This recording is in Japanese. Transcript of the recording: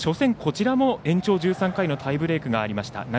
こちらも初戦、延長１３回のタイブレークがありました。